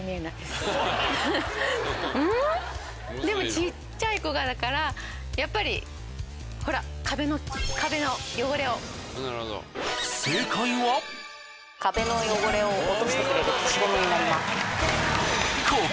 でもちっちゃい子がだからやっぱりほら壁の汚れを。